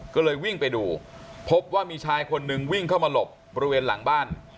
ก็เลยวิ่งไปดูพบว่ามีชายคนหนึ่งวิ่งเข้ามาหลบบริเวณหลังบ้าน